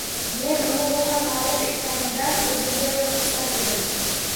Men uni ruhan magʻlub etganimdan oʻzimda yoʻq xursand edim.